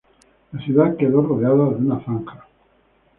La ciudad quedó rodeada de una zanja.